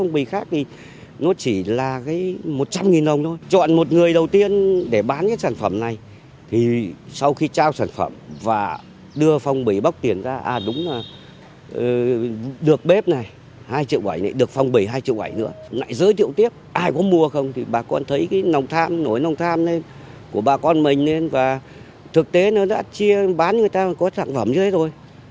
bà con thấy cái nồng tham nổi nồng tham của bà con mình lên và thực tế nó đã chia bán người ta có sản phẩm như thế thôi